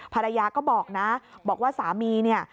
ภรรยาก็บอกนะบอกว่าสามีเนี่ย